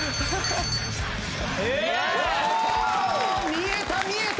見えた見えた！